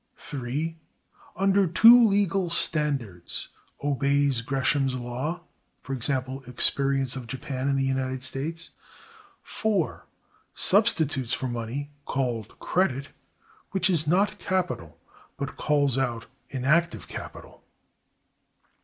Under two legal standards, obeys Gresham's law—e.g., experience of Japan and the United States. (4.) Substitutes for money, called credit (which is not capital, but calls out inactive capital).